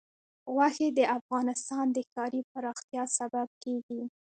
غوښې د افغانستان د ښاري پراختیا سبب کېږي.